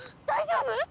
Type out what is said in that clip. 大丈夫？